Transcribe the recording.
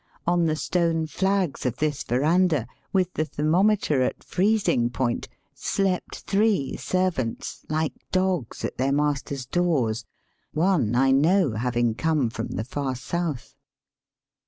On the stone flags of this verandah, with the thermometer at freezing point, slept three servants, like dogs at their masters' doors, one I know having come from the far South.